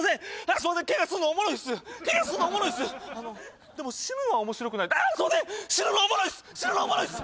すいませんケガすんのおもろいっすケガすんのおもろいっすでも死ぬのは面白くないすいません死ぬのおもろいっす死ぬのおもろいっす